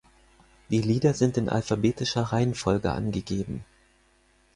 Die Lieder sind in alphabetischer Reihenfolge angegeben.